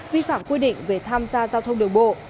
vi phạm quy định về tham gia giao thông đường bộ